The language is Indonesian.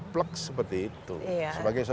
plek seperti itu sebagai